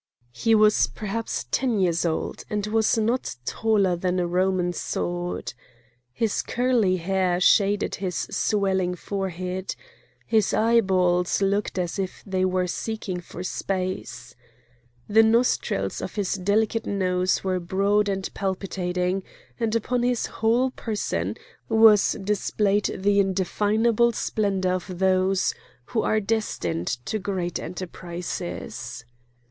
He was perhaps ten years old, and was not taller than a Roman sword. His curly hair shaded his swelling forehead. His eyeballs looked as if they were seeking for space. The nostrils of his delicate nose were broad and palpitating, and upon his whole person was displayed the indefinable splendour of those who are destined to great enterprises.